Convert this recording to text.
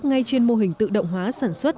ngay trên mô hình tự động hóa sản xuất